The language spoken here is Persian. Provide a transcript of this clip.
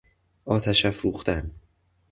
آتش افروختن